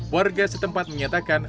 warga setempat menyatakan